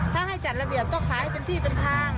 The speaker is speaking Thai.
ถ้าให้จัดระเบียบก็ขายเป็นที่เป็นทาง